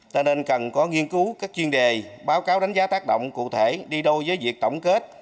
cho nên cần có nghiên cứu các chuyên đề báo cáo đánh giá tác động cụ thể đi đôi với việc tổng kết